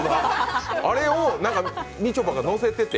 あれをみちょぱがのせてて、